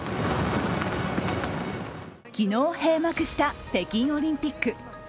昨日閉幕した北京オリンピック。